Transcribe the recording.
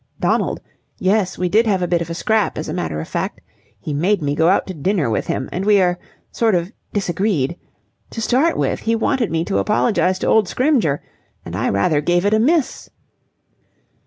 "Donald. Yes, we did have a bit of a scrap, as a matter of fact. He made me go out to dinner with him and we er sort of disagreed. To start with, he wanted me to apologize to old Scrymgeour, and I rather gave it a miss."